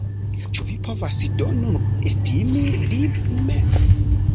Ĉu vi povas do nun estimi vin mem?